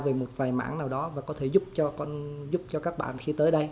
về một vài mảng nào đó và có thể giúp cho các bạn khi tới đây